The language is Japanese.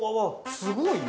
すごいよ。